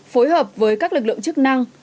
phối hợp với các lực lượng chức năng